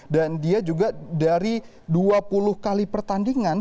dan dia juga dari dua puluh kali pertandingan